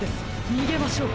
にげましょう！